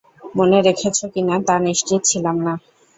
মনে রেখেছো কি না তা নিশ্চিত ছিলাম না।